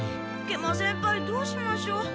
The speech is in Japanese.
食満先輩どうしましょう？